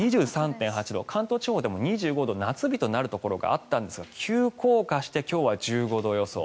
２３．８度関東地方でも２５度夏日となるところがあったんですが急降下して今日は１５度予想。